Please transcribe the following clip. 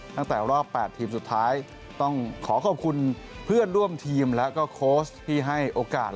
ตั้งแต่รอบ๘ทีมสุดท้ายต้องขอขอบคุณเพื่อนร่วมทีมแล้วก็โค้ชที่ให้โอกาส